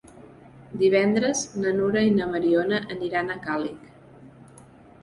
Divendres na Nura i na Mariona aniran a Càlig.